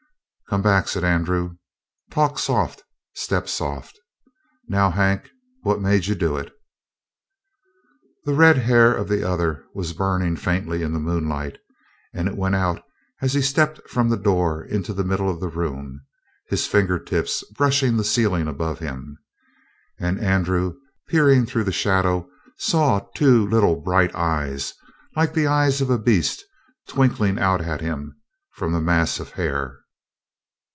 "Come back," said Andrew. "Talk soft, step soft. Now, Hank, what made you do it?" The red hair of the other was burning faintly in the moonlight, and it went out as he stepped from the door into the middle of the room, his finger tips brushing the ceiling above him. And Andrew, peering through that shadow, saw two little, bright eyes, like the eyes of a beast, twinkling out at him from the mass of hair.